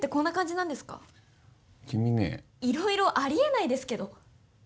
いろいろありえないですけど。